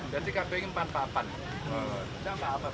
jadi kak pengen pan papan